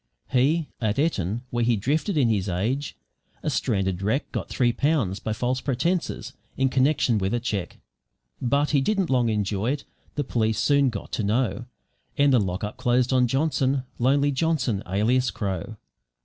He, at Eton where he drifted in his age, a stranded wreck got three pounds by false pretences, in connection with a cheque. But he didn't long enjoy it, the police soon got to know; and the lockup closed on Johnson, lonely Johnson alias Crow.